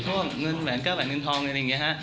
เพราะว่าเงินแหวนเก้าแหวนเงินทองอะไรอย่างนี้ฮะ